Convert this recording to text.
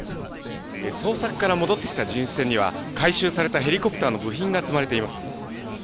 捜索から戻ってきた巡視船には回収されたヘリコプターの部品が積まれています。